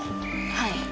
はい。